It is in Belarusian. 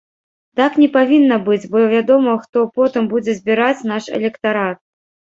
Так не павінна быць, бо вядома хто потым будзе збіраць наш электарат.